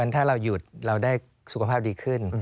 ถ้าเราหยุดเราได้สุขภาพดีขึ้น